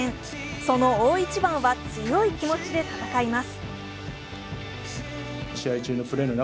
その大一番は強い気持ちで戦います。